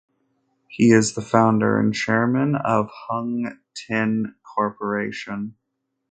He is the founder and chairman of Hung Thinh Corporation.